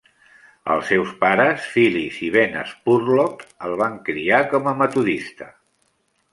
Els seus pares, Phyllis i Ben Spurlock, el van criar com a metodista.